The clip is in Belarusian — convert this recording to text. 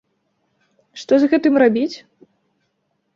Што з гэтым рабіць?